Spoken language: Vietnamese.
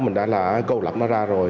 mình đã là câu lập nó ra rồi